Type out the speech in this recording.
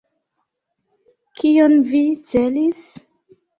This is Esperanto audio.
Kion vi celis?